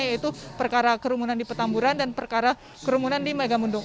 yaitu perkara kerumunan di petamburan dan perkara kerumunan di megamundung